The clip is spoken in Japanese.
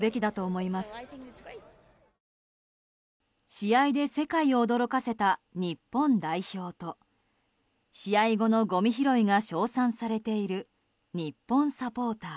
試合で世界を驚かせた日本代表と試合後のごみ拾いが称賛されている日本サポーター。